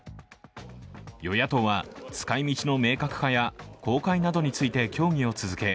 与野党は、使い道の明確化や公開などについて協議を続け